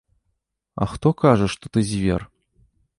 А хто кажа, што ты звер?